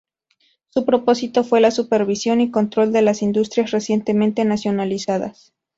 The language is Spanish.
Su propósito fue la supervisión y control de las industrias recientemente nacionalizadas.